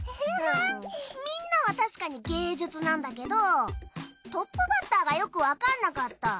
みんなはたしかに芸術なんだけどトップバッターがよくわかんなかった。